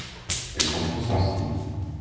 Elles sont trop sensibles.